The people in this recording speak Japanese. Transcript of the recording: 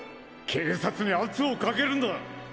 警察に圧をかけるんだ！